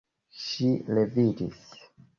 Ŝi leviĝis.